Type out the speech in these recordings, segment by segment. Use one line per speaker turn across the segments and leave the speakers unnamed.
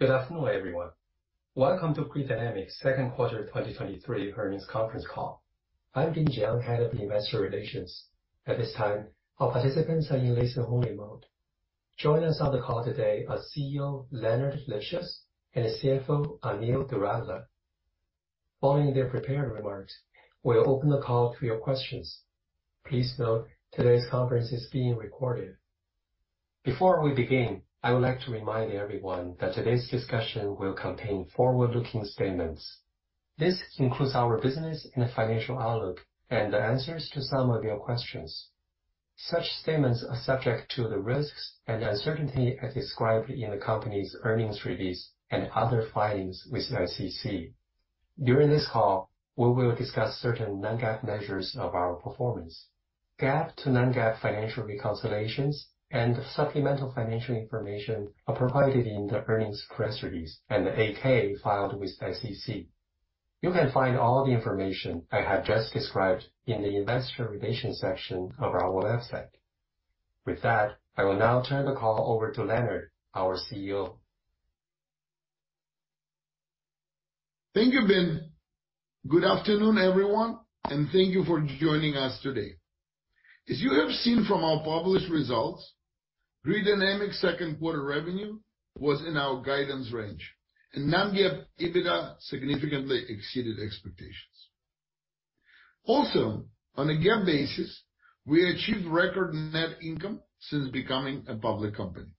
Good afternoon, everyone. Welcome to Grid Dynamics' Second Quarter 2023 Earnings Conference Call. I'm Bin Chiang, Head of Investor Relations. At this time, our participants are in listen-only mode. Joining us on the call today are CEO, Leonard Livschitz, and CFO, Anil Dhir. Following their prepared remarks, we'll open the call to your questions. Please note, today's conference is being recorded. Before we begin, I would like to remind everyone that today's discussion will contain forward-looking statements. This includes our business and financial outlook, and the answers to some of your questions. Such statements are subject to the risks and uncertainty as described in the company's earnings release and other filings with the SEC. During this call, we will discuss certain non-GAAP measures of our performance. GAAP to non-GAAP financial reconciliations and supplemental financial information are provided in the earnings press release and the 8-K filed with the SEC. You can find all the information I have just described in the investor relations section of our website. With that, I will now turn the call over to Leonard, our CEO.
Thank you, Ben. Good afternoon, everyone, and thank you for joining us today. As you have seen from our published results, Grid Dynamics' second quarter revenue was in our guidance range, and non-GAAP EBITDA significantly exceeded expectations. Also, on a GAAP basis, we achieved record net income since becoming a public company.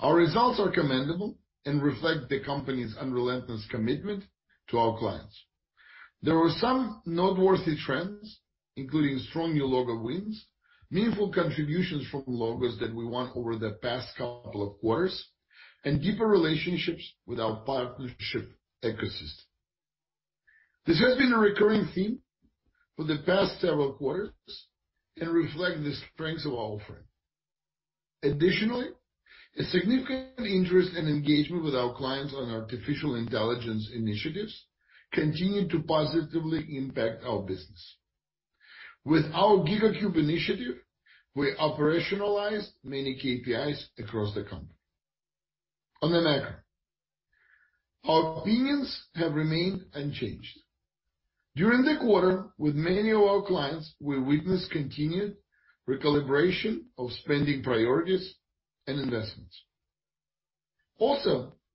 Our results are commendable and reflect the company's relentless commitment to our clients. There were some noteworthy trends, including strong new logo wins, meaningful contributions from logos that we won over the past couple of quarters, and deeper relationships with our partnership ecosystem. This has been a recurring theme for the past several quarters and reflect the strengths of our offering. Additionally, a significant interest and engagement with our clients on artificial intelligence initiatives continue to positively impact our business. With our GigaCube initiative, we operationalize many KPIs across the company. On the macro, our opinions have remained unchanged. During the quarter, with many of our clients, we witnessed continued recalibration of spending priorities and investments.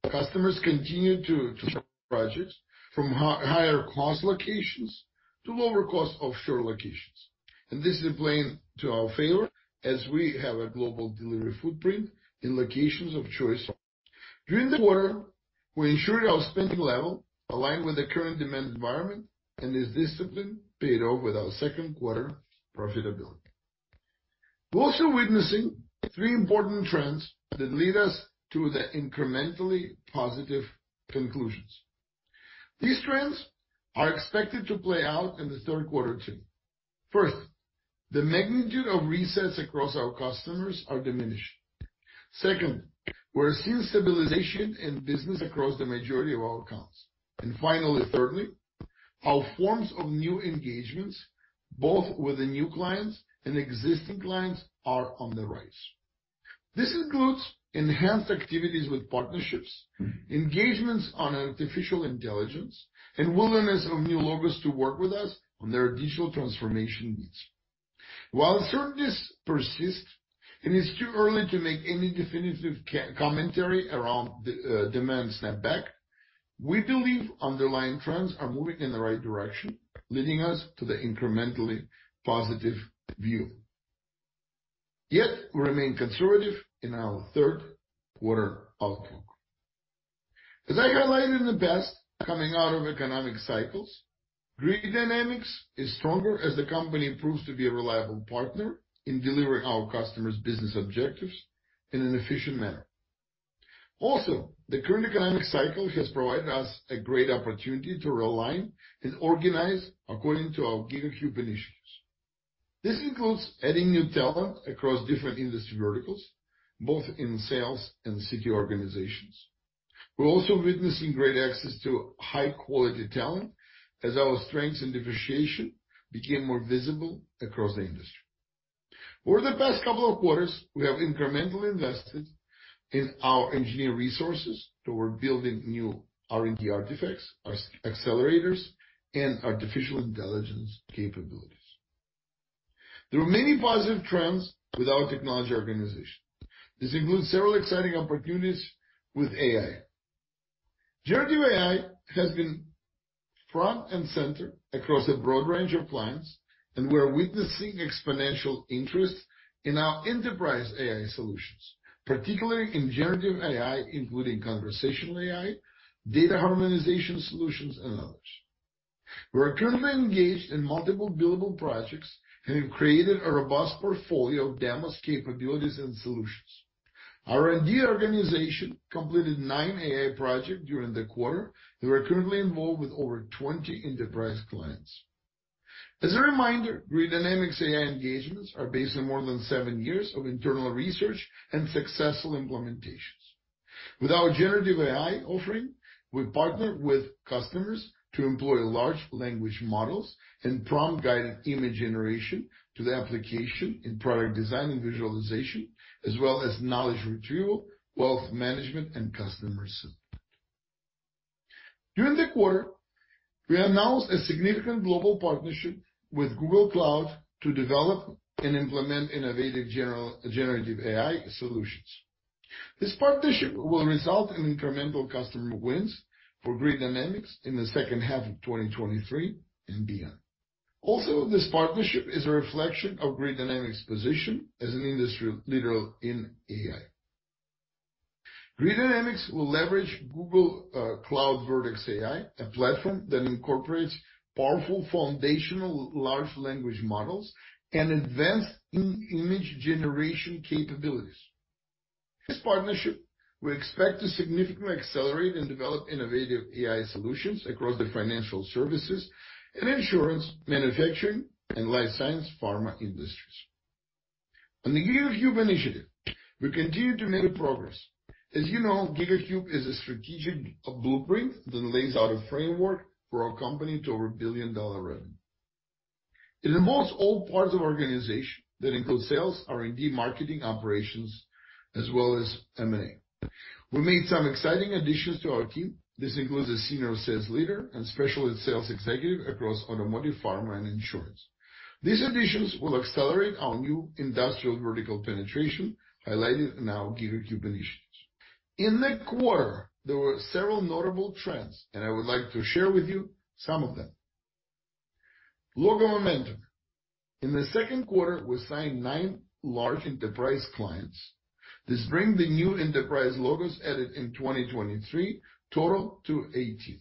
Customers continued to transfer projects from higher cost locations to lower cost offshore locations, and this is playing to our favor as we have a global delivery footprint in locations of choice. During the quarter, we ensured our spending level aligned with the current demand environment, and this discipline paid off with our second quarter profitability. We're also witnessing three important trends that lead us to the incrementally positive conclusions. These trends are expected to play out in the third quarter too. First, the magnitude of resets across our customers are diminishing. Second, we're seeing stabilization in business across the majority of our accounts. Finally, thirdly, our forms of new engagements, both with the new clients and existing clients, are on the rise. This includes enhanced activities with partnerships, engagements on artificial intelligence, and willingness of new logos to work with us on their digital transformation needs. While uncertainties persist, and it's too early to make any definitive commentary around the demand snapback, we believe underlying trends are moving in the right direction, leading us to the incrementally positive view. Yet, we remain conservative in our third quarter outlook. As I highlighted in the past, coming out of economic cycles, Grid Dynamics is stronger as the company proves to be a reliable partner in delivering our customers' business objectives in an efficient manner. Also, the current economic cycle has provided us a great opportunity to realign and organize according to our GigaCube initiatives. This includes adding new talent across different industry verticals, both in sales and CT organizations. We're also witnessing great access to high-quality talent as our strengths and differentiation become more visible across the industry. Over the past couple of quarters, we have incrementally invested in our engineer resources toward building new R&D artifacts, our accelerators, and artificial intelligence capabilities. There are many positive trends with our technology organization. This includes several exciting opportunities with AI. Generative AI has been front and center across a broad range of clients. We are witnessing exponential interest in our enterprise AI solutions, particularly in generative AI, including conversational AI, data harmonization solutions, and others. We are currently engaged in multiple billable projects and have created a robust portfolio of demos, capabilities, and solutions. Our R&D organization completed nine AI projects during the quarter and are currently involved with over 20 enterprise clients. As a reminder, Grid Dynamics' AI engagements are based on more than seven years of internal research and successful implementations. With our generative AI offering, we partner with customers to employ large language models and prompt guided image generation to the application in product design and visualization, as well as knowledge retrieval, wealth management, and customer support. During the quarter, we announced a significant global partnership with Google Cloud to develop and implement innovative generative AI solutions. This partnership will result in incremental customer wins for Grid Dynamics in the second half of 2023 and beyond. Also, this partnership is a reflection of Grid Dynamics' position as an industry leader in AI. Grid Dynamics will leverage Google Cloud Vertex AI, a platform that incorporates powerful foundational large language models and advanced image generation capabilities. This partnership, we expect to significantly accelerate and develop innovative AI solutions across the financial services and insurance, manufacturing, and life science pharma industries. On the GigaCube initiative, we continue to make progress. As you know, GigaCube is a strategic blueprint that lays out a framework for our company to over a billion-dollar revenue. It involves all parts of organization that include sales, R&D, marketing, operations, as well as M&A. We made some exciting additions to our team. This includes a senior sales leader and specialist sales executive across automotive, pharma, and insurance. These additions will accelerate our new industrial vertical penetration, highlighted in our GigaCube initiatives. In the quarter, there were several notable trends, and I would like to share with you some of them. Logo momentum. In the second quarter, we signed 9 large enterprise clients. This bring the new enterprise logos added in 2023, total to 18.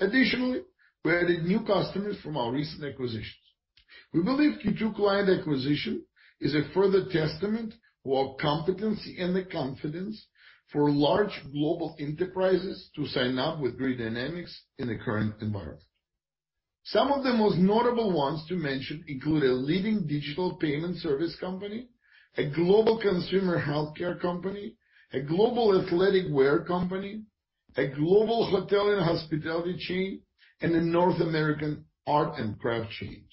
Additionally, we added new customers from our recent acquisitions. We believe Q2 client acquisition is a further testament to our competency and the confidence for large global enterprises to sign up with Grid Dynamics in the current environment. Some of the most notable ones to mention include a leading digital payment service company, a global consumer healthcare company, a global athletic wear company, a global hotel and hospitality chain, and a North American art and craft chain.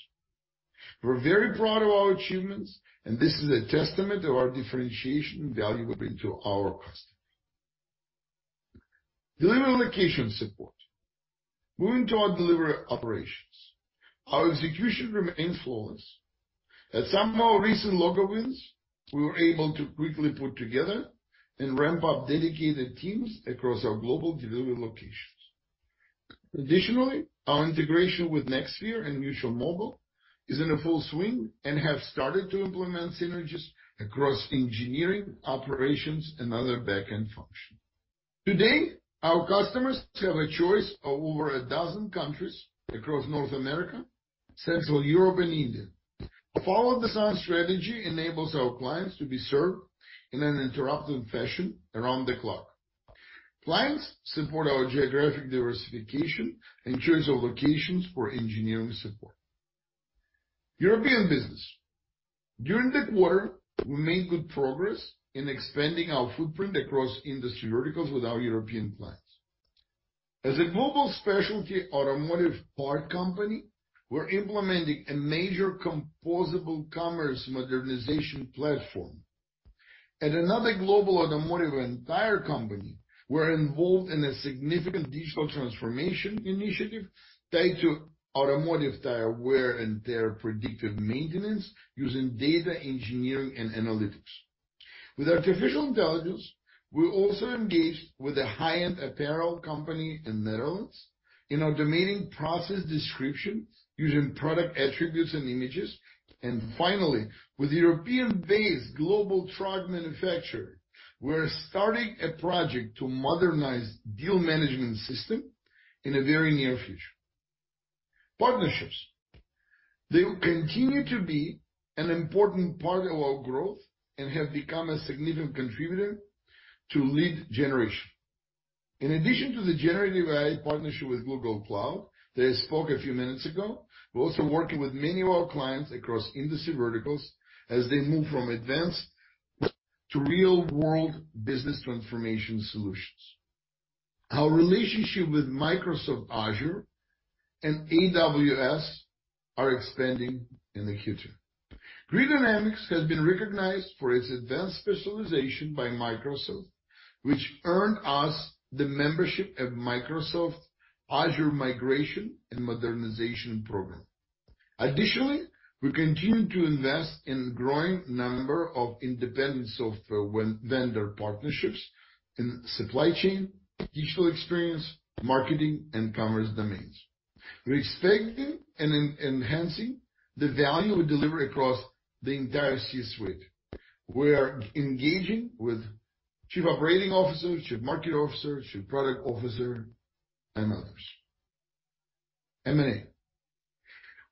We're very proud of our achievements, and this is a testament of our differentiation and value we bring to our customers. Delivery location support. Moving to our delivery operations, our execution remains flawless. At some of our recent logo wins, we were able to quickly put together and ramp up dedicated teams across our global delivery locations. Additionally, our integration with NextSphere and Mutual Mobile is in a full swing and have started to implement synergies across engineering, operations, and other backend functions. Today, our customers have a choice of over 12 countries across North America, Central Europe, and India. follow-the-sun strategy enables our clients to be served in an interrupted fashion around the clock. Clients support our geographic diversification and choice of locations for engineering support. European business. During the quarter, we made good progress in expanding our footprint across industry verticals with our European clients. As a global specialty automotive part company, we're implementing a major composable commerce modernization platform. At another global automotive and tire company, we're involved in a significant digital transformation initiative tied to automotive tire wear and tear predictive maintenance using data engineering and analytics. With artificial intelligence, we're also engaged with a high-end apparel company in Netherlands, in automating process description using product attributes and images. Finally, with European-based global truck manufacturer, we're starting a project to modernize deal management system in the very near future. Partnerships. They continue to be an important part of our growth and have become a significant contributor to lead generation. In addition to the generative AI partnership with Google Cloud, that I spoke a few minutes ago, we're also working with many of our clients across industry verticals as they move from advanced to real-world business transformation solutions. Our relationship with Microsoft Azure and AWS are expanding in the Q2. Grid Dynamics has been recognized for its advanced specialization by Microsoft, which earned us the membership of Microsoft Azure Migration and Modernization Program. Additionally, we continue to invest in a growing number of independent software vendor partnerships in supply chain, digital experience, marketing, and commerce domains. We're expecting and enhancing the value we deliver across the entire C-suite. We are engaging with chief operating officer, chief marketing officer, chief product officer, and others. M&A.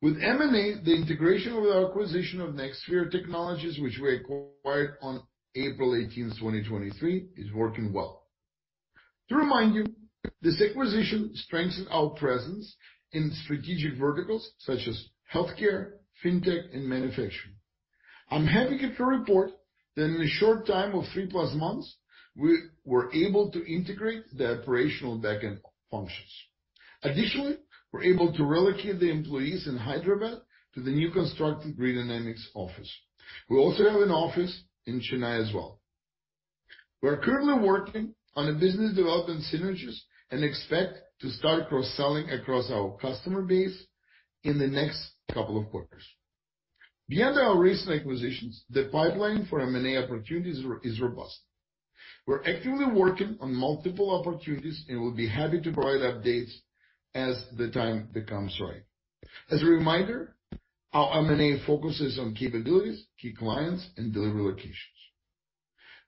With M&A, the integration with our acquisition of NextSphere Technologies, which we acquired on April 18, 2023, is working well. To remind you, this acquisition strengthened our presence in strategic verticals such as healthcare, fintech, and manufacturing. I'm happy to report that in a short time of three plus months, we were able to integrate the operational backend functions. Additionally, we're able to relocate the employees in Hyderabad to the new constructed Grid Dynamics office. We also have an office in Chennai as well. We're currently working on a business development synergies and expect to start cross-selling across our customer base in the next couple of quarters. Beyond our recent acquisitions, the pipeline for M&A opportunities is robust. We're actively working on multiple opportunities, and we'll be happy to provide updates as the time becomes right. As a reminder, our M&A focuses on capabilities, key clients, and delivery locations.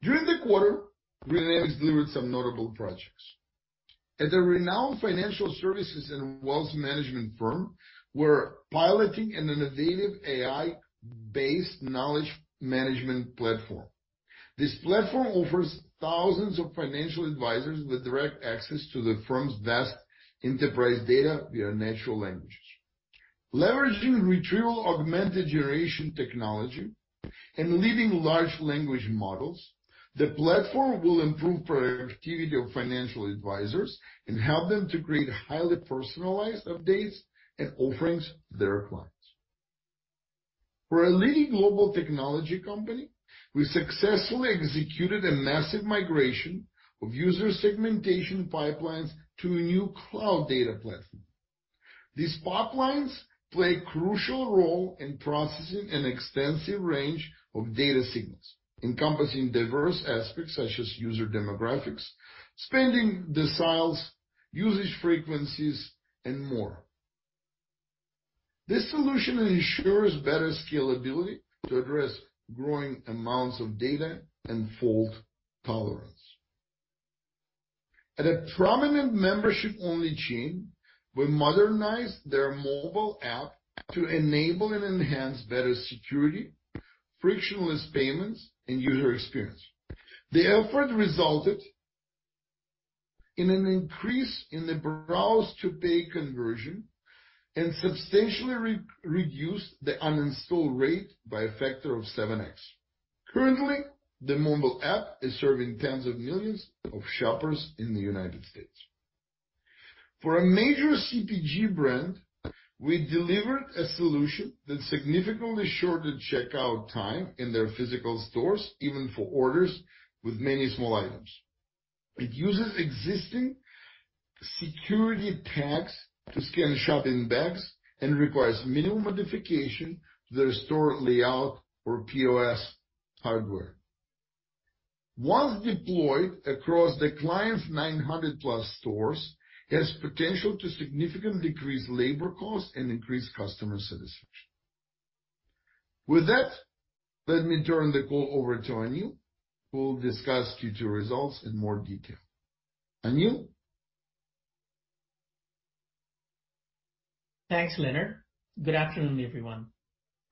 During the quarter, Grid Dynamics delivered some notable projects. At a renowned financial services and wealth management firm, we're piloting an innovative AI-based knowledge management platform. This platform offers thousands of financial advisors with direct access to the firm's vast enterprise data via natural languages. Leveraging retrieval-augmented generation technology and leading large language models, the platform will improve productivity of financial advisors and help them to create highly personalized updates and offerings to their clients. For a leading global technology company, we successfully executed a massive migration of user segmentation pipelines to a new cloud data platform. These pipelines play a crucial role in processing an extensive range of data signals, encompassing diverse aspects such as user demographics, spending deciles, usage frequencies, and more. This solution ensures better scalability to address growing amounts of data and fault tolerance. At a prominent membership-only chain, we modernized their mobile app to enable and enhance better security, frictionless payments, and user experience. The effort resulted in an increase in the browse to pay conversion and substantially re-reduced the uninstall rate by a factor of 7x. Currently, the mobile app is serving tens of millions of shoppers in the United States. For a major CPG brand, we delivered a solution that significantly shortened checkout time in their physical stores, even for orders with many small items. It uses existing security tags to scan shopping bags and requires minimum modification to the store layout or POS hardware. Once deployed across the client's 900+ stores, it has potential to significantly decrease labor costs and increase customer satisfaction. With that, let me turn the call over to Anju, who will discuss Q2 results in more detail. Anil?
Thanks, Leonard. Good afternoon, everyone.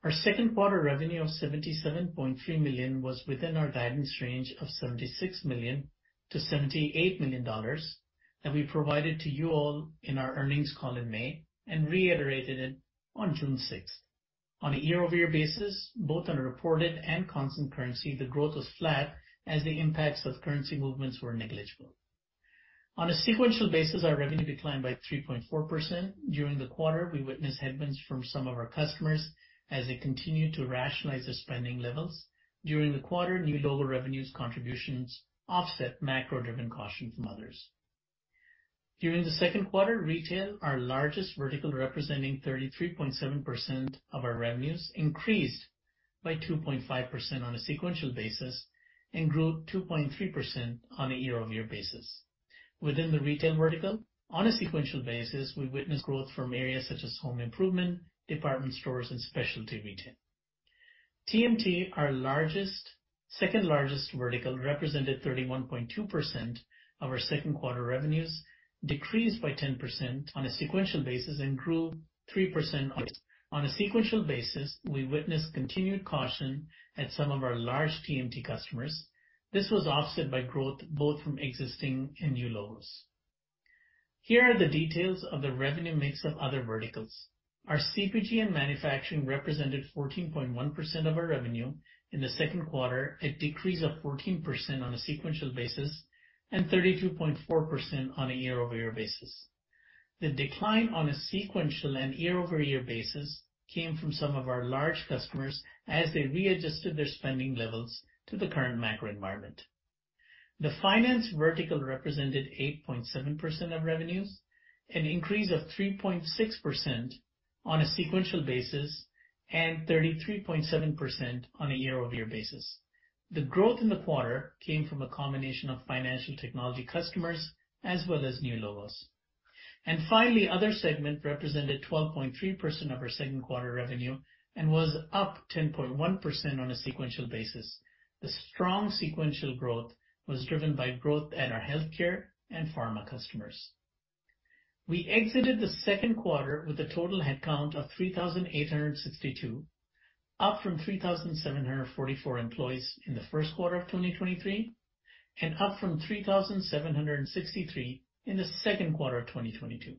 Our second quarter revenue of $77.3 million was within our guidance range of $76 million-$78 million that we provided to you all in our earnings call in May and reiterated it on June sixth. On a year-over-year basis, both on a reported and constant currency, the growth was flat as the impacts of currency movements were negligible. On a sequential basis, our revenue declined by 3.4%. During the quarter, we witnessed headwinds from some of our customers as they continued to rationalize their spending levels. During the quarter, new logo revenues contributions offset macro-driven caution from others. During the second quarter, retail, our largest vertical, representing 33.7% of our revenues, increased by 2.5% on a sequential basis and grew 2.3% on a year-over-year basis. Within the retail vertical, on a sequential basis, we witnessed growth from areas such as home improvement, department stores, and specialty retail. TMT, our second-largest vertical, represented 31.2% of our second quarter revenues, decreased by 10% on a sequential basis and grew 3%. On a sequential basis, we witnessed continued caution at some of our large TMT customers. This was offset by growth both from existing and new logos. Here are the details of the revenue mix of other verticals. Our CPG and manufacturing represented 14.1% of our revenue. In the second quarter, a decrease of 14% on a sequential basis and 32.4% on a year-over-year basis. The decline on a sequential and year-over-year basis came from some of our large customers as they readjusted their spending levels to the current macro environment. The finance vertical represented 8.7% of revenues, an increase of 3.6% on a sequential basis and 33.7% on a year-over-year basis. The growth in the quarter came from a combination of financial technology customers as well as new logos. Finally, other segment represented 12.3% of our second quarter revenue and was up 10.1% on a sequential basis. The strong sequential growth was driven by growth at our healthcare and pharma customers. We exited the second quarter with a total headcount of 3,862, up from 3,744 employees in the first quarter of 2023, and up from 3,763 in the second quarter of 2022.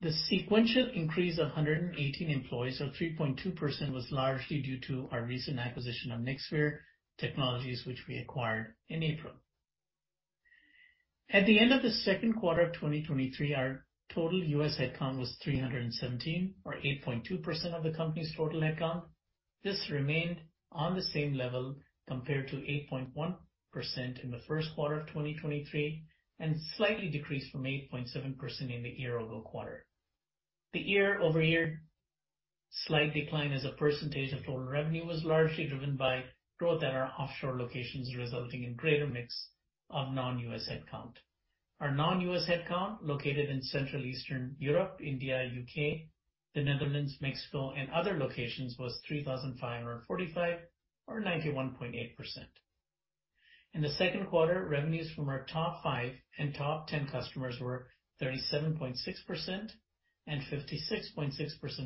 The sequential increase of 118 employees, or 3.2%, was largely due to our recent acquisition of NextSphere Technologies, which we acquired in April. At the end of the second quarter of 2023, our total U.S. headcount was 317, or 8.2% of the company's total headcount. This remained on the same level compared to 8.1% in the first quarter of 2023, and slightly decreased from 8.7% in the year-ago quarter. The year-over-year slight decline as a percentage of total revenue was largely driven by growth at our offshore locations, resulting in greater mix of non-U.S. headcount. Our non-U.S. headcount, located in Central Eastern Europe, India, U.K., the Netherlands, Mexico, and other locations, was 3,545, or 91.8%. In the second quarter, revenues from our top five and top ten customers were 37.6% and 56.6%,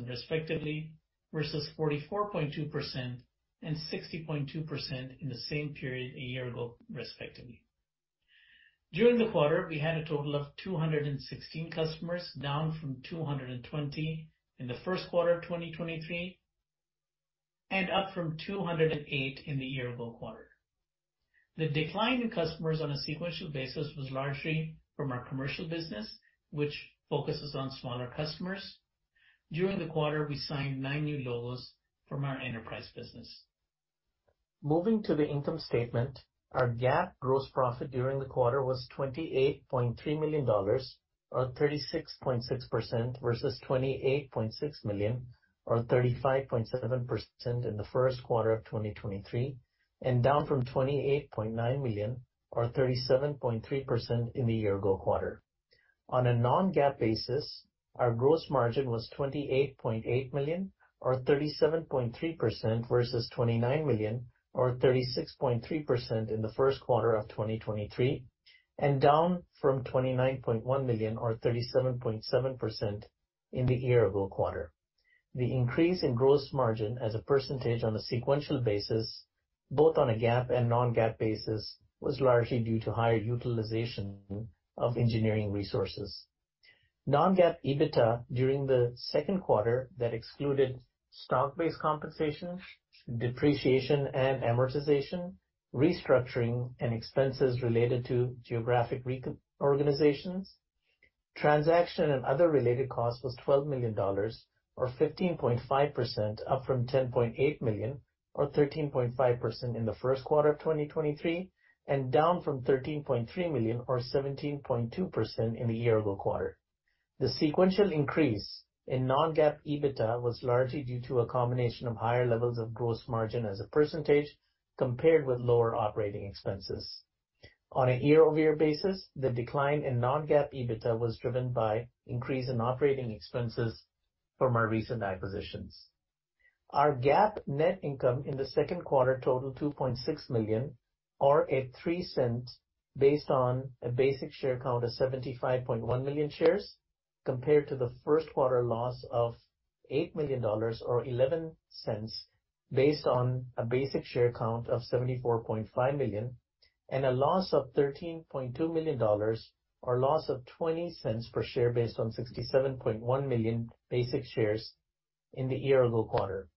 respectively, versus 44.2% and 60.2% in the same period a year-ago, respectively. During the quarter, we had a total of 216 customers, down from 220 in the first quarter of 2023, and up from 208 in the year-ago quarter. The decline in customers on a sequential basis was largely from our commercial business, which focuses on smaller customers. During the quarter, we signed nine new logos from our enterprise business. Moving to the income statement, our GAAP gross profit during the quarter was $28.3 million, or 36.6%, versus $28.6 million, or 35.7%, in the first quarter of 2023, and down from $28.9 million, or 37.3%, in the year-ago quarter. On a non-GAAP basis, our gross margin was $28.8 million, or 37.3%, versus $29 million, or 36.3%, in the first quarter of 2023, and down from $29.1 million, or 37.7%, in the year-ago quarter. The increase in gross margin as a percentage on a sequential basis, both on a GAAP and non-GAAP basis, was largely due to higher utilization of engineering resources. non-GAAP EBITDA during the second quarter that excluded stock-based compensation, depreciation and amortization, restructuring, and expenses related to geographic reorganizations. Transaction and other related costs was $12 million, or 15.5%, up from $10.8 million, or 13.5%, in the first quarter of 2023, and down from $13.3 million, or 17.2%, in the year-ago quarter. The sequential increase in non-GAAP EBITDA was largely due to a combination of higher levels of gross margin as a percentage compared with lower operating expenses. On a year-over-year basis, the decline in non-GAAP EBITDA was driven by increase in operating expenses from our recent acquisitions. Our GAAP net income in the second quarter totaled $2.6 million, or $0.03, based on a basic share count of 75.1 million shares, compared to the first quarter loss of $8 million, or $0.11, based on a basic share count of 74.5 million, and a loss of $13.2 million, or loss of $0.20 per share, based on 67.1 million basic shares in the year-ago quarter.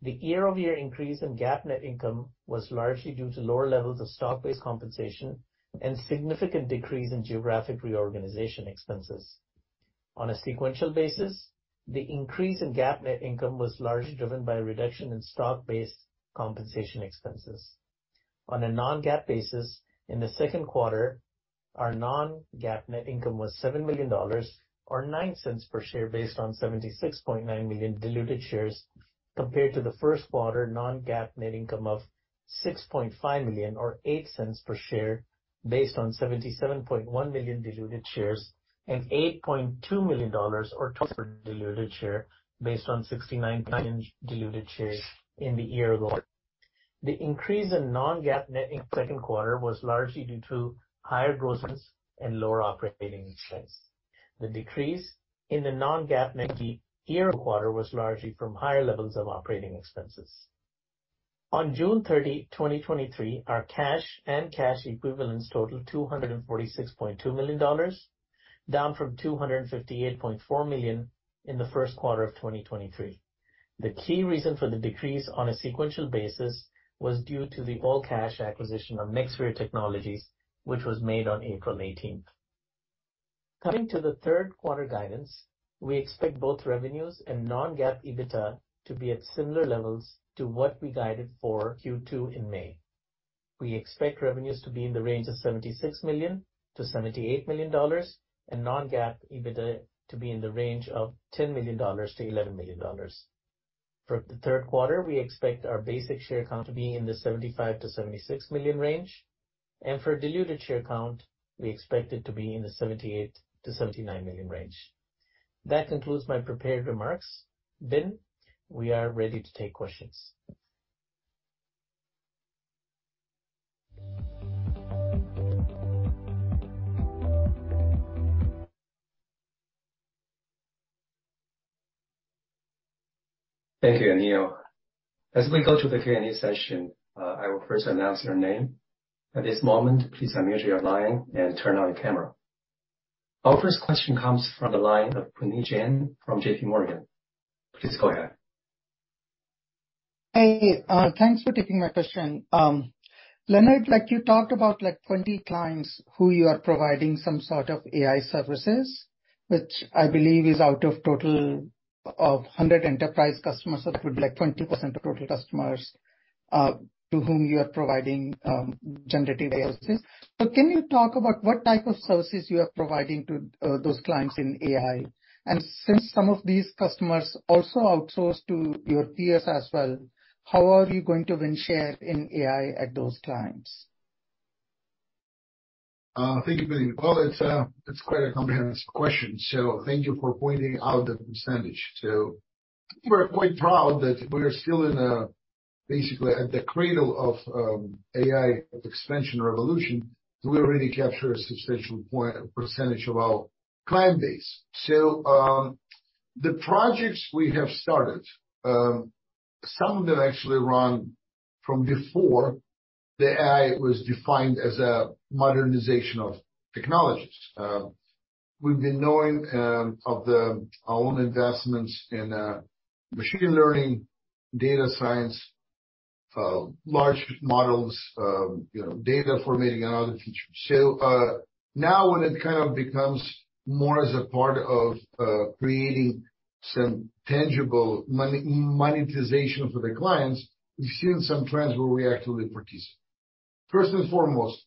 The year-over-year increase in GAAP net income was largely due to lower levels of stock-based compensation and significant decrease in geographic reorganization expenses. On a sequential basis, the increase in GAAP net income was largely driven by a reduction in stock-based compensation expenses. On a non-GAAP basis, in the second quarter, our non-GAAP net income was $7 million, or $0.09 per share, based on 76.9 million diluted shares, compared to the first quarter non-GAAP net income of $6.5 million, or $0.08 per share, based on 77.1 million diluted shares, and $8.2 million, or total diluted share, based on 69 million diluted shares in the year ago. The increase in non-GAAP net income second quarter was largely due to higher grosses and lower operating expenses. The decrease in the non-GAAP net year quarter was largely from higher levels of operating expenses. On June 30, 2023, our cash and cash equivalents totaled $246.2 million, down from $258.4 million in the first quarter of 2023. The key reason for the decrease on a sequential basis was due to the all-cash acquisition of NextSphere Technologies, which was made on April 18th. Coming to the third quarter guidance, we expect both revenues and non-GAAP EBITDA to be at similar levels to what we guided for Q2 in May. We expect revenues to be in the range of $76 million-$78 million and non-GAAP EBITDA to be in the range of $10 million-$11 million. For the third quarter, we expect our basic share count to be in the 75 million-76 million range, and for diluted share count, we expect it to be in the 78 million-79 million range. That concludes my prepared remarks. We are ready to take questions.
Thank you, Neil. As we go to the Q&A session, I will first announce your name. At this moment, please unmute your line and turn on your camera. Our first question comes from the line of Puneet Jain from J.P. Morgan. Please go ahead.
Hey, thanks for taking my question. Leonard, like you talked about, like, 20 clients who you are providing some sort of AI services, which I believe is out of total of 100 enterprise customers. It would be like 20% of total customers to whom you are providing generative AI services. Can you talk about what type of services you are providing to those clients in AI? Since some of these customers also outsource to your peers as well, how are you going to win share in AI at those clients?
Thank you, Puneet. Well, it's, it's quite a comprehensive question, so thank you for pointing out the percentage. We're quite proud that we are still in a, basically, at the cradle of AI expansion revolution, we already capture a substantial percentage of our client base. The projects we have started, some of them actually run from before the AI was defined as a modernization of technologies. We've been knowing of our own investments in machine learning, data science, large models, you know, data formatting and other features. Now when it kind of becomes more as a part of creating some tangible monetization for the clients, we've seen some trends where we actually participate. First and foremost,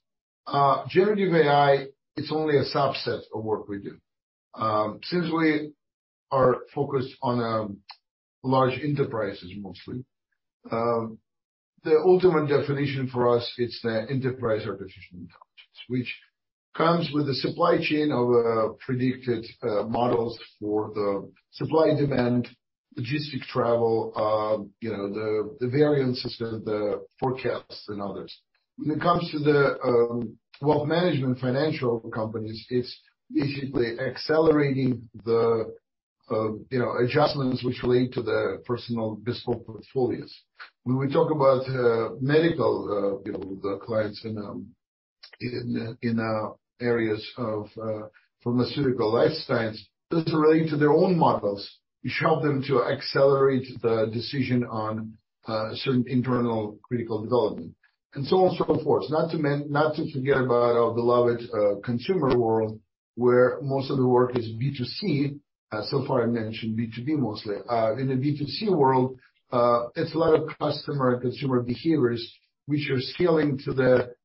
generative AI, it's only a subset of work we do. Since we are focused on large enterprises mostly, the ultimate definition for us, it's the enterprise artificial intelligence, which comes with a supply chain of predicted models for the supply and demand, logistic travel, you know, the variances, the forecasts and others. When it comes to the well, management financial companies, it's basically accelerating the you know, adjustments which lead to the personal bespoke portfolios. When we talk about medical, you know, the clients in in in areas of pharmaceutical life science, those relate to their own models, which help them to accelerate the decision on certain internal critical development. So on, so forth. Not to forget about our beloved consumer world, where most of the work is B2C, so far I've mentioned B2B, mostly. In the B2C world, it's a lot of customer and consumer behaviors which are scaling to the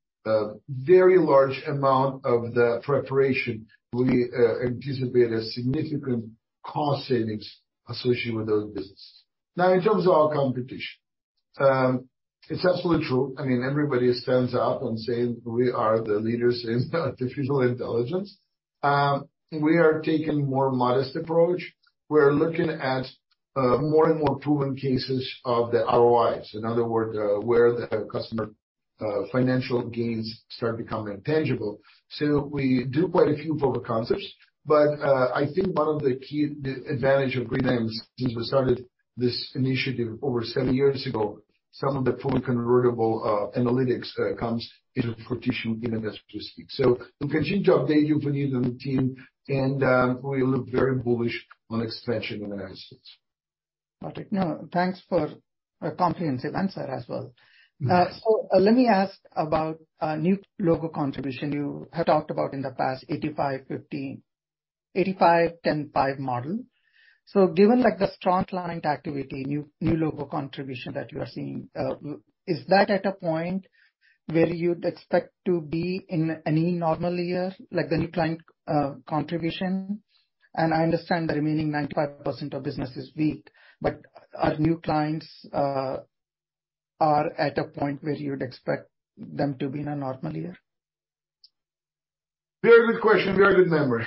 very large amount of the preparation, we anticipate a significant cost savings associated with those business. Now, in terms of our competition, it's absolutely true. I mean, everybody stands up on saying we are the leaders in artificial intelligence. We are taking more modest approach. We're looking at more and more proven cases of the ROIs, in other word, where the customer financial gains start becoming tangible. So we do quite a few proof of concepts, but I think one of the key advantage of Grid Dynamics, since we started this initiative over seven years ago, some of the fully convertible analytics comes into competition in elasticity. We'll continue to update you, Puneet, and the team, and we look very bullish on expansion in the United States.
Got it. No, thanks for a comprehensive answer as well. Let me ask about new logo contribution you had talked about in the past, 85, 15- 85, 10, 5 model. Given, like, the strong client activity, new, new logo contribution that you are seeing, is that at a point where you'd expect to be in any normal year, like, the new client contribution? I understand the remaining 95% of business is weak, but are new clients are at a point where you'd expect them to be in a normal year?
Very good question. Very good memory.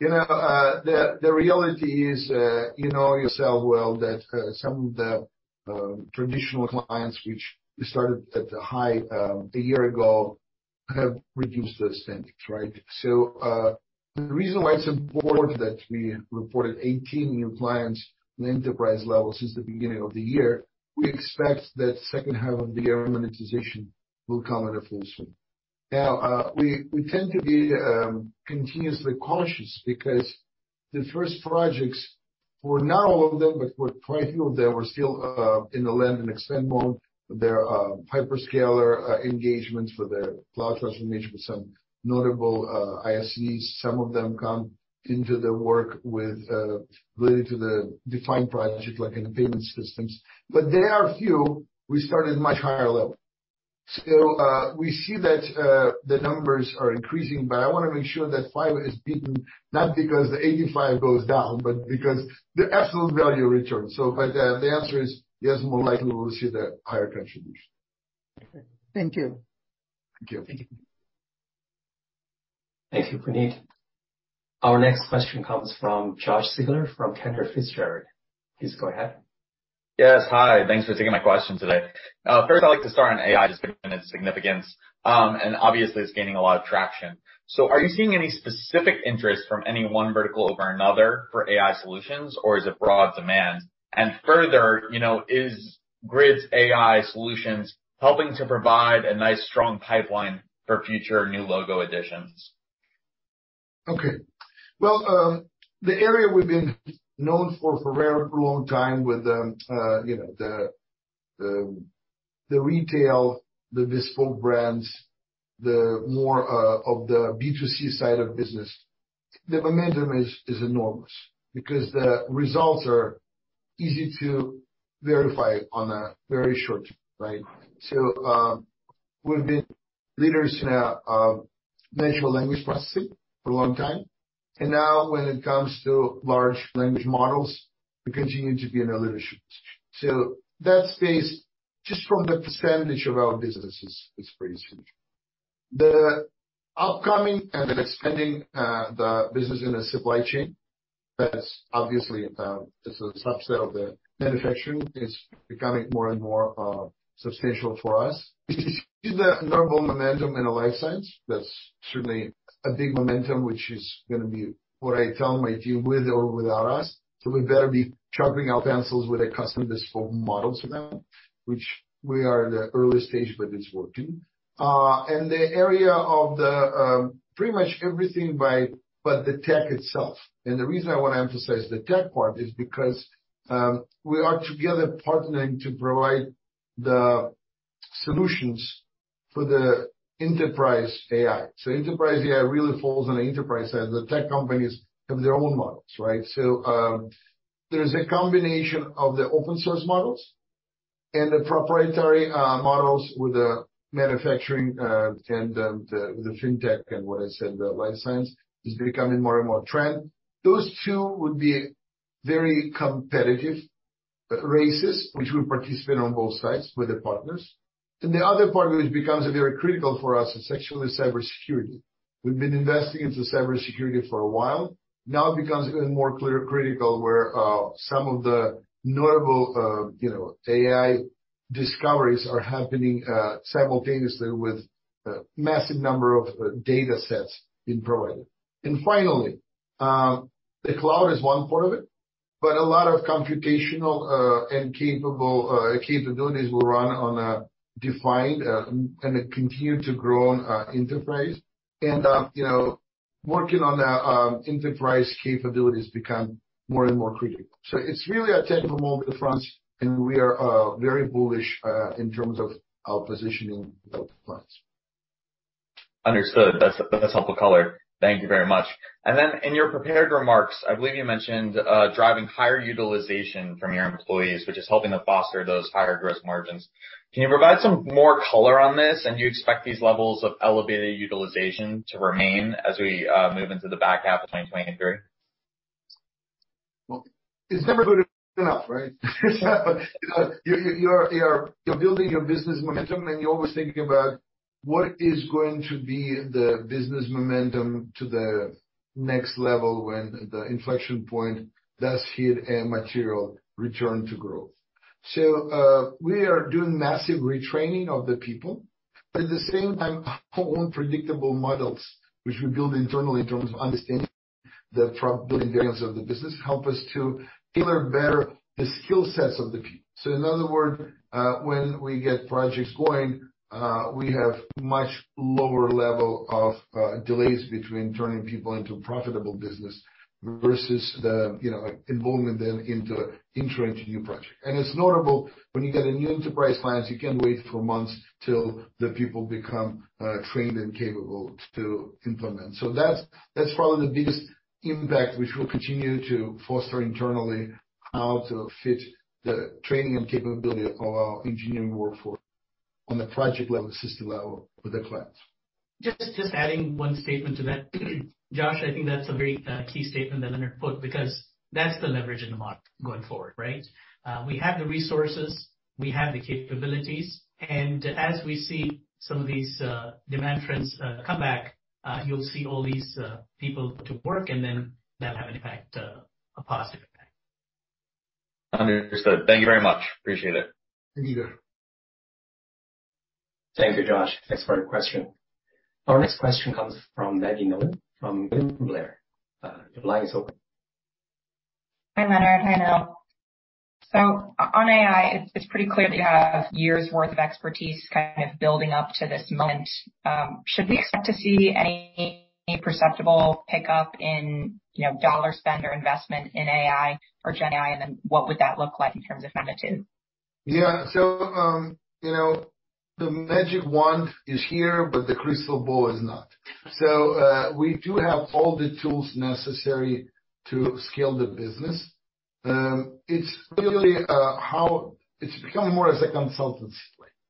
You know, the reality is, you know yourself well that some of the traditional clients, which started at the high, a year ago, have reduced the spendings, right? The reason why it's important that we reported 18 new clients on the enterprise level since the beginning of the year, we expect that second half of the year, monetization will come into full swing. We tend to be continuously cautious because the first projects, well, not all of them, but quite a few of them, were still in the land and expand mode. There are hyperscaler engagements for the cloud transformation with some notable ISVs. Some of them come into the work with related to the defined project, like in the payment systems, but they are few. We started much higher level. We see that, the numbers are increasing, but I wanna make sure that 5 is beaten, not because the 85 goes down, but because the absolute value returns. But, the answer is yes, more likely we'll see the higher contribution.
Thank you.
Thank you.
Thank you, Puneet. Our next question comes from Josh Sigler from Cantor Fitzgerald. Please go ahead.
Yes. Hi, thanks for taking my question today. First, I'd like to start on AI, just given its significance, and obviously it's gaining a lot of traction. Are you seeing any specific interest from any one vertical over another for AI solutions, or is it broad demand? Further, you know, is Grid's AI solutions helping to provide a nice, strong pipeline for future new logo additions?
Okay. Well, the area we've been known for, for very, for a long time with the, you know, the, the, the retail, the visible brands, the more of the B2C side of the business, the momentum is, is enormous because the results are easy to verify on a very short, right? We've been leaders in a natural language processing for a long time, and now when it comes to large language models, we continue to be in the leadership. That space, just from the percentage of our business, is, is pretty significant. The upcoming and expanding the business in the supply chain, that's obviously, is a subset of the manufacturing, is becoming more and more substantial for us. You see the notable momentum in a life science, that's certainly a big momentum, which is gonna be what I tell my team, with or without us, so we better be sharpening our pencils with a custom visible model for them, which we are in the early stage, but it's working. The area of the, pretty much everything by but the tech itself. The reason I want to emphasize the tech part is because we are together partnering to provide the solutions for the enterprise AI. Enterprise AI really falls on the enterprise side. The tech companies have their own models, right? There is a combination of the open source models and the proprietary models with the manufacturing, and the fintech and what I said, the life science, is becoming more and more trend. Those two would be very competitive races, which we participate on both sides with the partners. The other part, which becomes very critical for us, is actually cybersecurity. We've been investing into cybersecurity for a while, now it becomes even more clear- critical, where some of the notable, you know, AI discoveries are happening simultaneously with a massive number of data sets being provided. Finally, the cloud is one part of it, but a lot of computational, and capable, capabilities will run on a defined, and it continued to grow on, enterprise. You know, working on the enterprise capabilities become more and more critical. It's really a technical move at the front, and we are very bullish in terms of our positioning of the products.
Understood. That's, that's helpful color. Thank you very much. In your prepared remarks, I believe you mentioned driving higher utilization from your employees, which is helping to foster those higher gross margins. Can you provide some more color on this, and do you expect these levels of elevated utilization to remain as we move into the back half of 2023?
Well, it's never good enough, right? You're building your business momentum, and you're always thinking about what is going to be the business momentum to the next level when the inflection point does hit a material return to growth. We are doing massive retraining of the people, but at the same time, our own predictable models, which we build internally in terms of understanding the probability variance of the business, help us to tailor better the skill sets of the people. In other words, when we get projects going, we have much lower level of delays between turning people into profitable business versus the, you know, involving them into entering a new project. It's notable, when you get a new enterprise clients, you can't wait for months till the people become trained and capable to implement. That's, that's probably the biggest impact, which we'll continue to foster internally, how to fit the training and capability of our engineering workforce on the project level, system level with the clients.
Just, just adding one statement to that. Josh, I think that's a very key statement that Leonard put, because that's the leverage in the market going forward, right? We have the resources, we have the capabilities, and as we see some of these, demand trends, come back, you'll see all these, people to work, and then that'll have an impact, a positive impact.
Understood. Thank you very much. Appreciate it.
Thank you.
Thank you, Josh. Thanks for your question. Our next question comes from Maggie Miller, from William Blair. The line is open. Hi, Leonard. Hi, Neil. On AI, it's, it's pretty clear that you have years worth of expertise kind of building up to this moment. Should we expect to see any perceptible pickup in, you know, dollar spend or investment in AI or GenAI? What would that look like in terms of magnitude?
Yeah, you know, the magic wand is here, but the crystal ball is not. We do have all the tools necessary to scale the business. It's really, how... It's becoming more as a consultancy,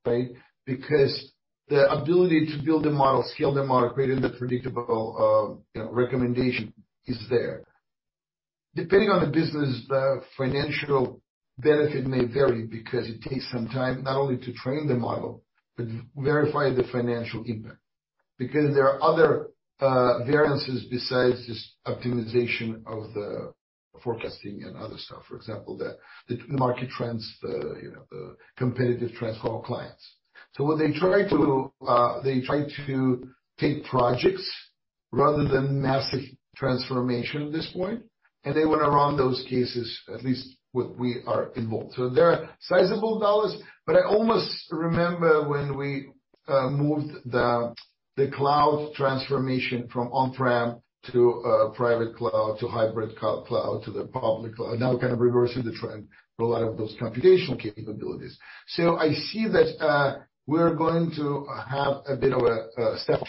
right? Because the ability to build a model, scale the model, create a predictable, you know, recommendation is there. Depending on the business, the financial benefit may vary, because it takes some time, not only to train the model, but verify the financial impact. Because there are other variances besides just optimization of the forecasting and other stuff, for example, the, the market trends, the, you know, the competitive trends for our clients. What they try to, they try to take projects rather than massive transformation at this point, and they went around those cases, at least what we are involved. There are sizable dollars, but I almost remember when we moved the cloud transformation from on-prem to private cloud to hybrid cloud, to the public cloud, now we're kind of reversing the trend for a lot of those computational capabilities. I see that we're going to have a bit of a step.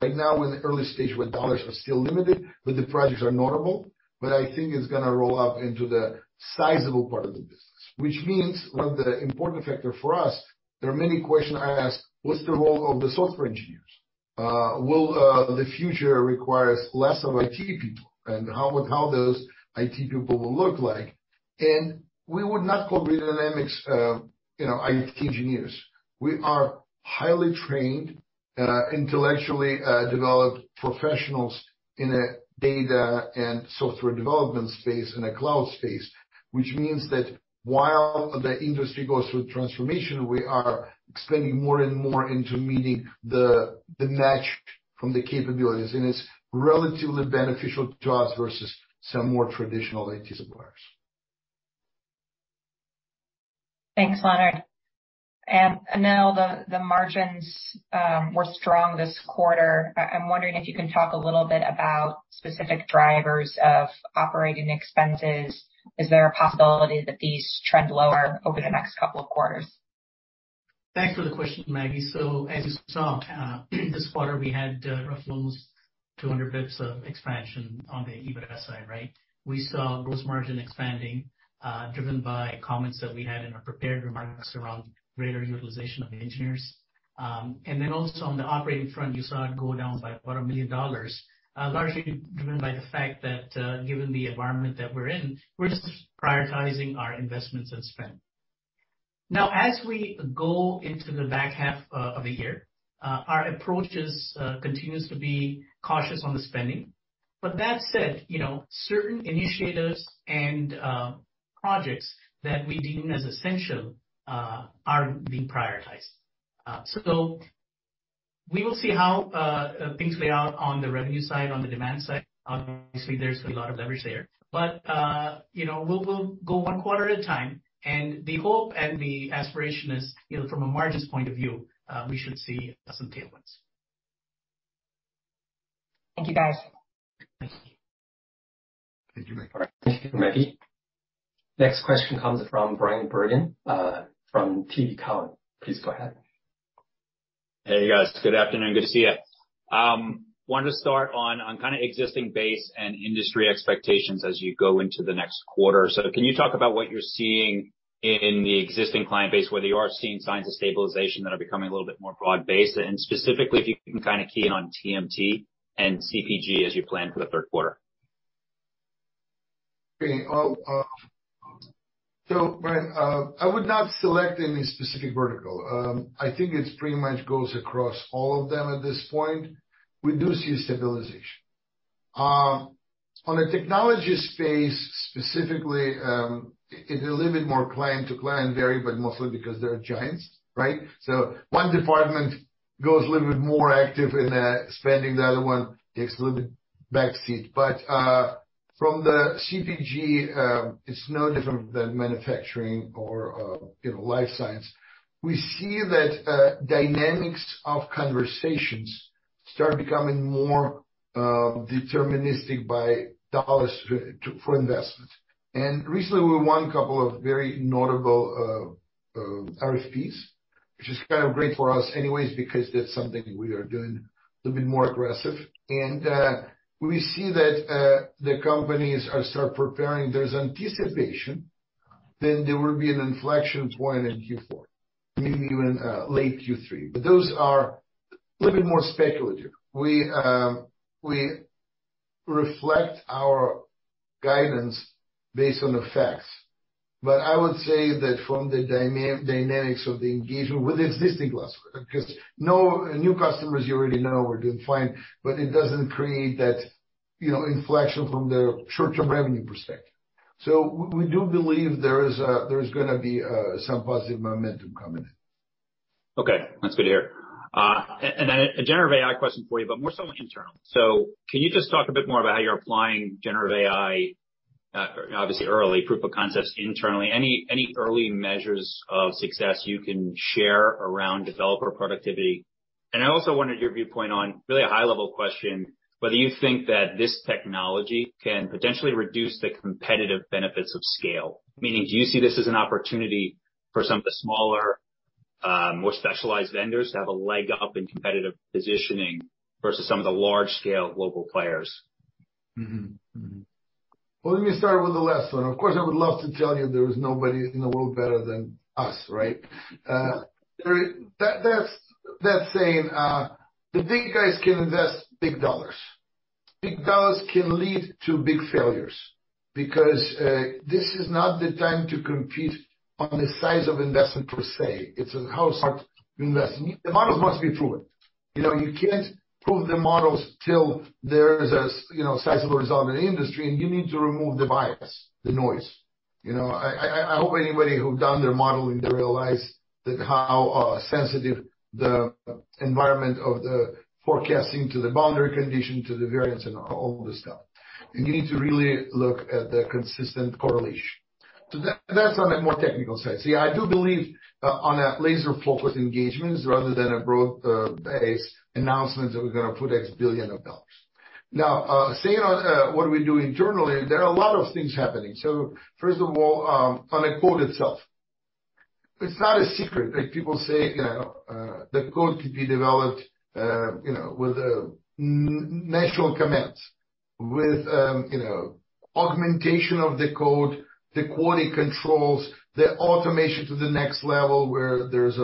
Right now, we're in the early stage, where dollars are still limited, but the projects are notable, but I think it's gonna roll out into the sizable part of the business. Which means one of the important factors for us, there are many questions I ask: What's the role of the software engineers? Will the future require less of IT people, and how would those IT people look like? We would not call Dynatrace, you know, IT engineers. We are highly trained, intellectually, developed professionals in a data and software development space, in a cloud space. Which means that while the industry goes through transformation, we are expanding more and more into meeting the, the match from the capabilities, and it's relatively beneficial to us versus some more traditional IT suppliers.
Thanks, Leonard. Anil, the margins were strong this quarter. I'm wondering if you can talk a little bit about specific drivers of operating expenses. Is there a possibility that these trend lower over the next couple of quarters?
Thanks for the question, Maggie. As you saw, this quarter, we had roughly 200 basis points of expansion on the EBIT side, right? We saw gross margin expanding, driven by comments that we had in our prepared remarks around greater utilization of the engineers. Also on the operating front, you saw it go down by about $1 million, largely driven by the fact that, given the environment that we're in, we're just prioritizing our investments and spend. As we go into the back half of the year, our approach continues to be cautious on the spending. That said, you know, certain initiatives and projects that we deem as essential are being prioritized. We will see how things play out on the revenue side, on the demand side. Obviously, there's a lot of leverage there. You know, we'll, we'll go 1 quarter at a time, and the hope and the aspiration is, you know, from a margins point of view, we should see some tailwinds.
Thank you, guys.
Thank you.
Thank you, Maggie. Next question comes from Bryan Bergin from TD Cowen. Please go ahead.
Hey, guys. Good afternoon. Good to see you. wanted to start on, on kind of existing base and industry expectations as you go into the next quarter. Can you talk about what you're seeing in the existing client base, whether you are seeing signs of stabilization that are becoming a little bit more broad-based, and specifically, if you can kind of key in on TMT and CPG as you plan for the third quarter?
Okay. Well, Brian, I would not select any specific vertical. I think it pretty much goes across all of them at this point. We do see stabilization. On a technology space, specifically, it's a little bit more client to client vary, but mostly because they're giants, right? One department goes a little bit more active in spending, the other one takes a little bit backseat. From the CPG, it's no different than manufacturing or, you know, life science. We see that dynamics of conversations start becoming more deterministic by dollars to- for investments. Recently, we won a couple of very notable RFPs, which is kind of great for us anyways, because that's something we are doing a little bit more aggressive. We see that the companies are start preparing. There's anticipation, then there will be an inflection point in Q4, maybe even late Q3. Those are a little bit more speculative. We reflect our guidance based on the facts, but I would say that from the dynamics of the engagement with existing customers, because no new customers, you already know are doing fine, but it doesn't create that, you know, inflection from the short-term revenue perspective. We do believe there is gonna be some positive momentum coming in.
Okay. That's good to hear. Then a generative AI question for you, but more so internally. Can you just talk a bit more about how you're applying generative AI, obviously early proof of concepts internally? Any, any early measures of success you can share around developer productivity? I also wanted your viewpoint on, really a high-level question, whether you think that this technology can potentially reduce the competitive benefits of scale. Meaning, do you see this as an opportunity for some of the smaller, more specialized vendors to have a leg up in competitive positioning versus some of the large-scale global players?
Mm-hmm. Mm-hmm. Well, let me start with the last one. Of course, I would love to tell you there is nobody in the world better than us, right? There that's, that saying. The big guys can invest big dollars. Big dollars can lead to big failures, because this is not the time to compete on the size of investment per se. It's on how smart to invest. The models must be proven. You know, you can't prove the models till there is a, you know, sizable result in the industry, and you need to remove the bias, the noise. You know, I, I, I, hope anybody who's done their modeling, they realize that how sensitive the environment of the forecasting to the boundary condition, to the variance and all, all of this stuff. You need to really look at the consistent correlation. That, that's on a more technical side. See, I do believe on a laser-focused engagement rather than a broad base announcement that we're gonna put of X billion of dollars. Now, saying on what we do internally, there are a lot of things happening. First of all, on the code itself, it's not a secret that people say, you know, the code could be developed, you know, with national commands, with, you know, augmentation of the code, the quality controls, the automation to the next level, where there's,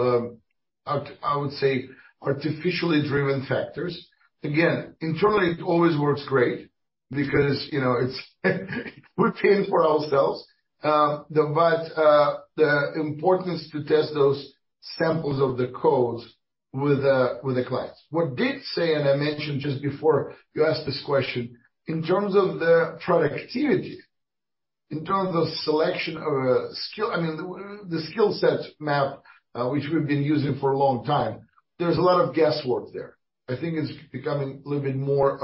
I, I would say, artificially driven factors. Again, internally, it always works great because, you know, it's we're paying for ourselves, but the importance to test those samples of the codes with a, with a client. What did say, I mentioned just before you asked this question, in terms of the productivity, in terms of selection of a skill, I mean, the skill set map, which we've been using for a long time, there's a lot of guesswork there. I think it's becoming a little bit more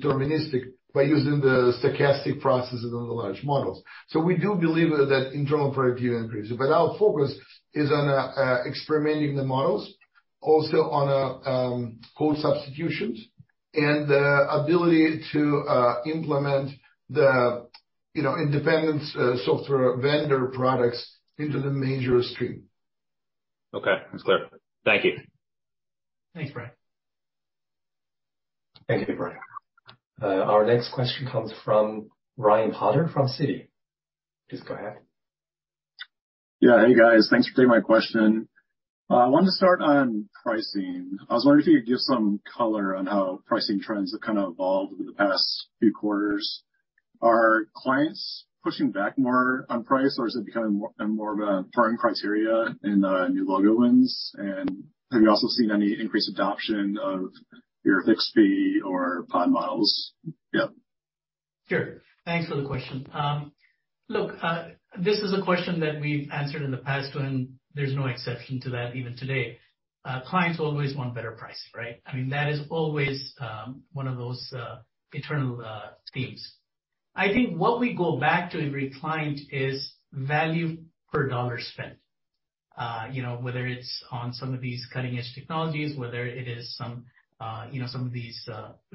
deterministic by using the stochastic processes on the large models. We do believe that internal preview increases. Our focus is on experimenting the models, also on code substitutions and the ability to implement the, you know, independent software vendor products into the major stream.
Okay, that's clear. Thank you.
Thanks, Brian.
Thank you, Brian. Our next question comes from Ryan Potter from Citi. Please go ahead.
Yeah. Hey, guys. Thanks for taking my question. I wanted to start on pricing. I was wondering if you could give some color on how pricing trends have kind of evolved over the past few quarters. Are clients pushing back more on price, or is it becoming more of a driving criteria in new logo wins? Have you also seen any increased adoption of your fixed fee or pod models? Yeah.
Sure. Thanks for the question. Look, this is a question that we've answered in the past, and there's no exception to that even today. Clients always want better pricing, right? I mean, that is always, one of those, eternal, themes. I think what we go back to every client is value per dollar spent. You know, whether it's on some of these cutting-edge technologies, whether it is some, you know, some of these,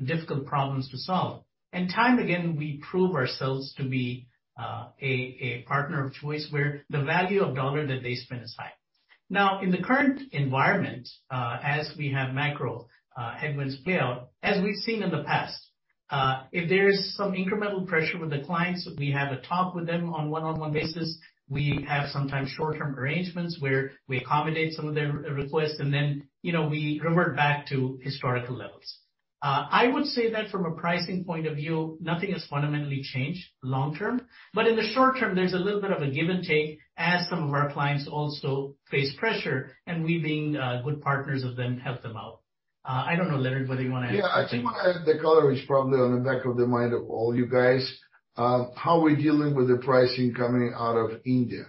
difficult problems to solve. And time again, we prove ourselves to be, a, a partner of choice, where the value of dollar that they spend is high. Now, in the current environment, as we have macro, headwinds play out, as we've seen in the past, if there is some incremental pressure with the clients, we have a talk with them on one-on-one basis. We have sometimes short-term arrangements, where we accommodate some of their requests, and then, you know, we revert back to historical levels. I would say that from a pricing point of view, nothing has fundamentally changed long term, but in the short term, there's a little bit of a give and take as some of our clients also face pressure, and we, being, good partners of them, help them out. I don't know, Leonid, whether you wanna add something.
Yeah, I think the color is probably on the back of the mind of all you guys. How are we dealing with the pricing coming out of India?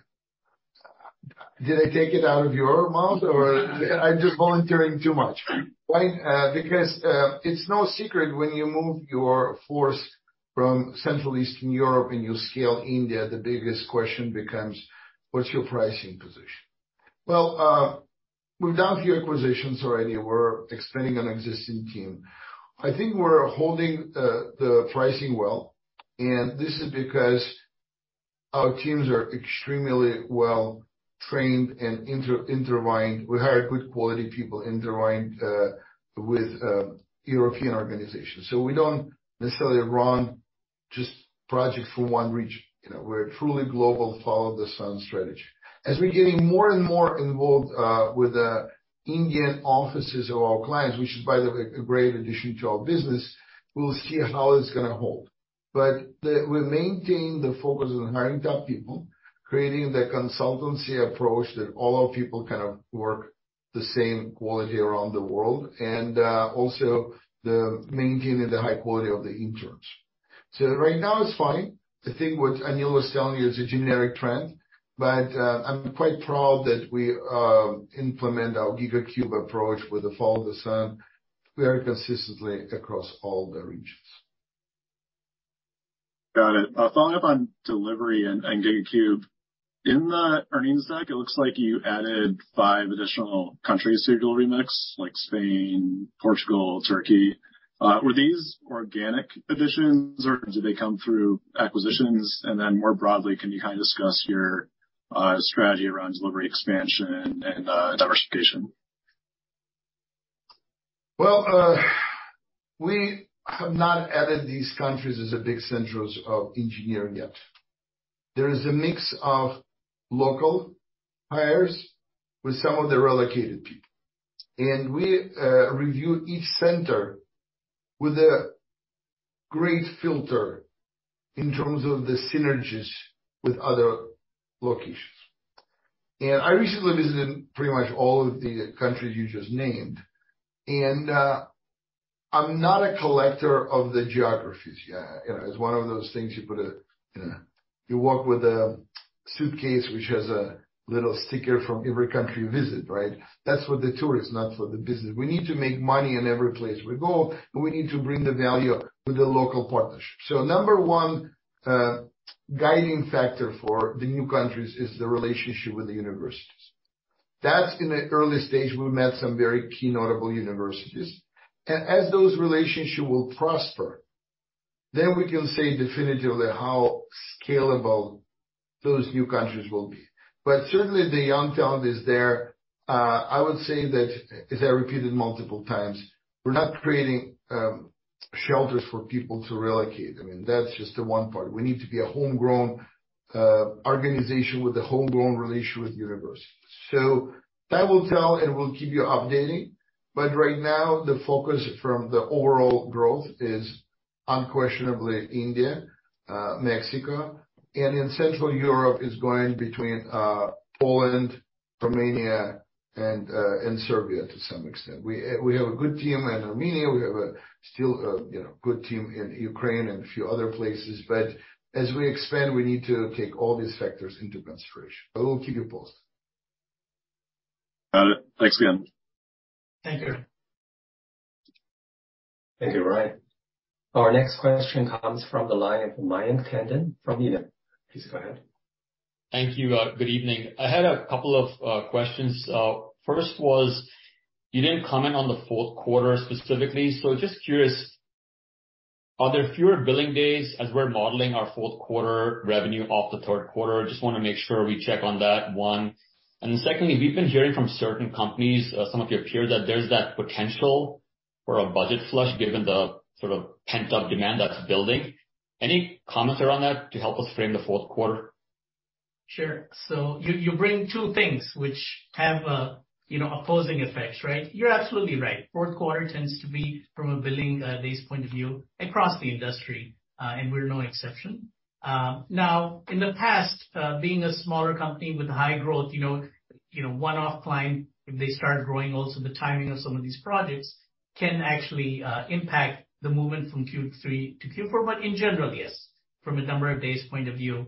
Did I take it out of your mouth, or I'm just volunteering too much. Why? Because it's no secret when you move your force from Central Eastern Europe, and you scale India, the biggest question becomes: What's your pricing position? Well, we've done the acquisitions already. We're expanding an existing team. I think we're holding the pricing well, and this is because our teams are extremely well trained and inter-intertwined. We hire good quality people, intertwined with European organizations, so we don't necessarily run just project for one region. You know, we're a truly global, follow-the-sun strategy. As we're getting more and more involved with the Indian offices of our clients, which is, by the way, a great addition to our business, we'll see how it's gonna hold. We maintain the focus on hiring top people, creating the consultancy approach that all our people kind of work the same quality around the world, and also the maintaining the high quality of the interns. Right now, it's fine. The thing what Anil was telling you is a generic trend, but I'm quite proud that we implement our GigaCube approach with the follow-the-sun very consistently across all the regions.
Got it. Following up on delivery and, and GigaCube, in the earnings deck, it looks like you added five additional countries to your delivery mix, like Spain, Portugal, Turkey. Were these organic additions, or did they come through acquisitions? Then, more broadly, can you kind of discuss your strategy around delivery, expansion, and diversification?
Well, We have not added these countries as a big centers of engineering yet. There is a mix of local hires with some of the relocated people. We review each center with a great filter in terms of the synergies with other locations. I recently visited pretty much all of the countries you just named. I'm not a collector of the geographies. Yeah, you know, it's one of those things, you put a, you know, you walk with a suitcase, which has a little sticker from every country you visit, right? That's for the tourists, not for the business. We need to make money in every place we go, and we need to bring the value to the local partners. Number 1, guiding factor for the new countries is the relationship with the universities. That's in the early stage. We've met some very key notable universities. As those relationship will prosper, then we can say definitively how scalable those new countries will be. Certainly, the young talent is there. I would say that, as I repeated multiple times, we're not creating shelters for people to relocate. I mean, that's just the one part. We need to be a homegrown organization with a homegrown relationship with universities. That will tell, and we'll keep you updated. Right now, the focus from the overall growth is unquestionably India, Mexico, and in Central Europe, it's going between Poland, Romania, and Serbia, to some extent. We have a good team in Armenia. We have a still, you know, good team in Ukraine and a few other places. As we expand, we need to take all these factors into consideration. We'll keep you posted.
Got it. Thanks again.
Thank you.
Thank you, Ryan. Our next question comes from the line of Mayank Tandon from Needham. Please go ahead.
Thank you. good evening. I had a couple of questions. First was, you didn't comment on the fourth quarter specifically, so just curious, are there fewer billing days as we're modeling our fourth quarter revenue off the third quarter? I just wanna make sure we check on that, one. Secondly, we've been hearing from certain companies, some of your peers, that there's that potential for a budget flush, given the sort of pent-up demand that's building. Any comments around that to help us frame the fourth quarter?
Sure. You, you bring two things which have, you know, opposing effects, right? You're absolutely right. Fourth quarter tends to be, from a billing, base point of view, across the industry, and we're no exception. Now, in the past, being a smaller company with high growth, you know, you know, one-off client, if they start growing, also the timing of some of these projects can actually impact the movement from Q3 to Q4. In general, yes, from a number of days point of view,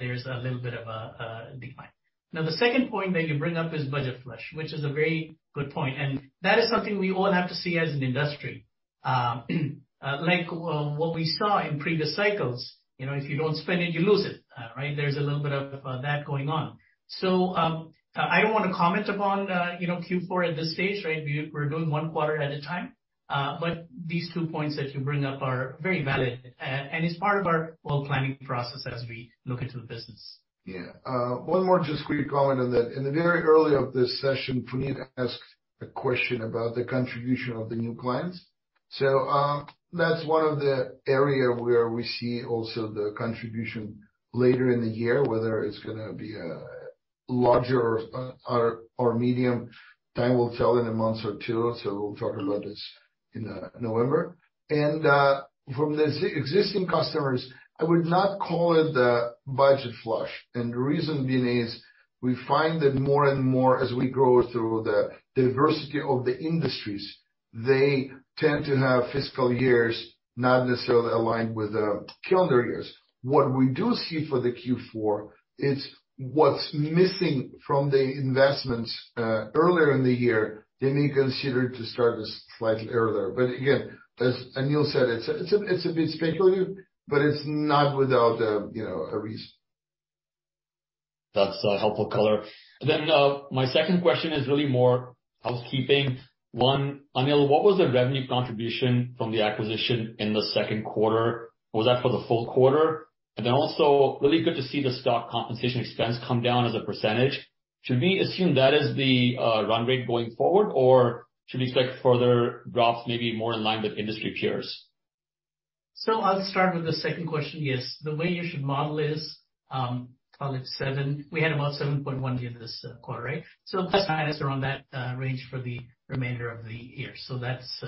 there's a little bit of a decline. The second point that you bring up is budget flush, which is a very good point, and that is something we all have to see as an industry. Like, what we saw in previous cycles, you know, if you don't spend it, you lose it, right? There's a little bit of that going on. I don't want to comment upon, you know, Q4 at this stage, right? We're doing one quarter at a time. These two points that you bring up are very valid, and it's part of our well-planning process as we look into the business.
Yeah. One more just quick comment on that. In the very early of this session, Puneet asked a question about the contribution of the new clients. That's one of the area where we see also the contribution later in the year, whether it's gonna be larger or, or, or medium, time will tell in a month or two, so we'll talk about this in November. From the ex-existing customers, I would not call it the budget flush. The reason being is, we find that more and more as we grow through the diversity of the industries, they tend to have fiscal years not necessarily aligned with the calendar years. What we do see for the Q4 is what's missing from the investments earlier in the year, they may consider to start this slightly earlier. Again, as Anil said, it's a, it's a bit speculative, but it's not without, you know, a reason.
That's a helpful color. My second question is really more housekeeping. One, Anil, what was the revenue contribution from the acquisition in the second quarter? Was that for the full quarter? Also, really good to see the stock compensation expense come down as a percentage. Should we assume that is the run rate going forward, or should we expect further drops, maybe more in line with industry peers?
I'll start with the second question. Yes. The way you should model is, call it 7%. We had about 7.1% during this quarter, right? Plus or minus around that range for the remainder of the year. That's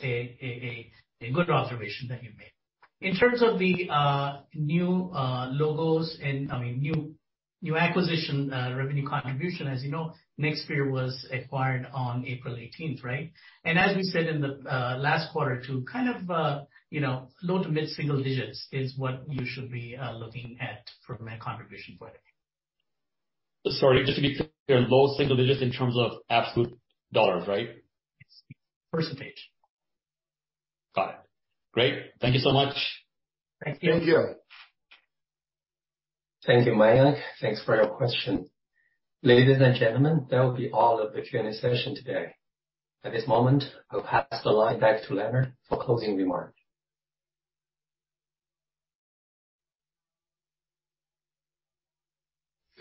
a good observation that you made. In terms of the new logos and, I mean, new, new acquisition revenue contribution, as you know, NextSphere was acquired on April 18th, right? As we said in the last quarter to kind of, you know, low to mid single digits is what you should be looking at from a contribution point.
Sorry, just to be clear, low single digits in terms of absolute dollars, right?
Yes. Percentage.
Got it. Great. Thank you so much.
Thank you.
Thank you.
Thank you, Mayank. Thanks for your question. Ladies and gentlemen, that will be all of the Q&A session today. At this moment, I'll pass the line back to Leonard for closing remarks.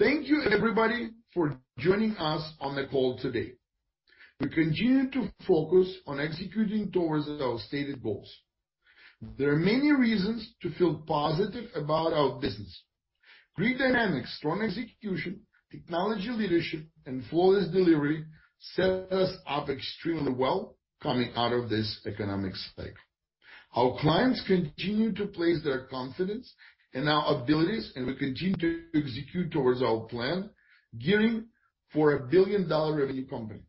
Thank you, everybody, for joining us on the call today. We continue to focus on executing towards our stated goals. There are many reasons to feel positive about our business. Grid Dynamics, strong execution, technology leadership, and flawless delivery set us up extremely well coming out of this economic cycle. Our clients continue to place their confidence in our abilities, and we continue to execute towards our plan, gearing for a billion-dollar revenue company.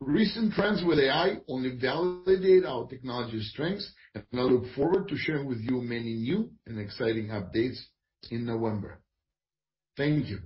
Recent trends with AI only validate our technology strengths, I look forward to sharing with you many new and exciting updates in November. Thank you.